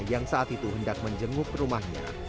yang saat itu hendak menjenguk rumahnya